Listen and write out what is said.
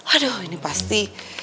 aduh ini pasti